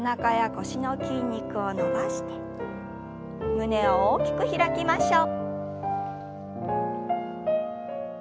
胸を大きく開きましょう。